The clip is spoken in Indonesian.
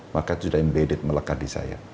maka itu sudah embedded melekat di saya